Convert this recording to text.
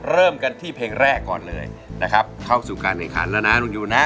เริ่มกันที่เพลงแรกก่อนเลยนะครับเข้าสู่การแข่งขันแล้วนะลุงยูนะ